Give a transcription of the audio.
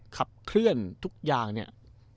ขับเคลื่อนทุกอย่างเนี่ย